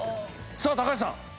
さあ高橋さん。